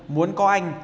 muốn có anh